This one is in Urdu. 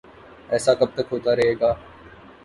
ایسا کب تک ہوتا رہے گا؟